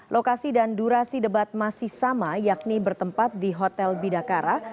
lokasi dan durasi debat masih sama yakni bertempat di hotel bidakara